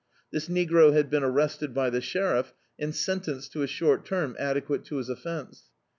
This negro had been arrested by the sheriff, and sentenced to a short term adequate to his offence.